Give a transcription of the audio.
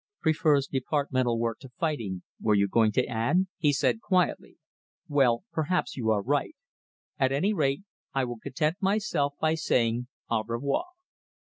"Prefers departmental work to fighting, were you going to add?" he said quietly. "Well, perhaps you are right. At any rate, I will content myself by saying au revoir."